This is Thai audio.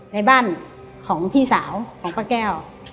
ในบ้านของพี่สาวของป้าแก้ว